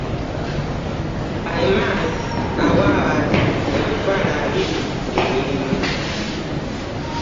Bayomaasi awa abantu emitwalo abiri emirimu.